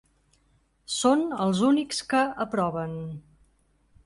Són els únics que aproven.